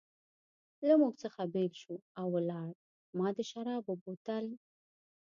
له موږ څخه بېل شو او ولاړ، ما د شرابو بوتل.